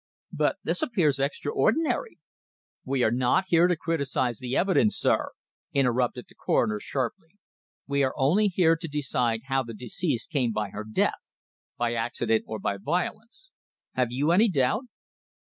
"But this appears extraordinary " "We are not here to criticise the evidence, sir!" interrupted the coroner sharply. "We are only here to decide how the deceased came by her death by accident, or by violence. Have you any doubt?"